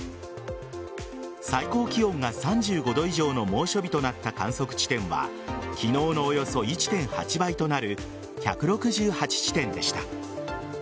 最高気温が３５度以上の猛暑日となった観測地点は昨日のおよそ１．８倍となる１６８地点でした。